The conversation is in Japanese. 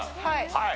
はい。